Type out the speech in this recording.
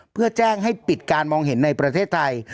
เพื่อแจ้งให้ปิดการมองเห็นในประเทศไทย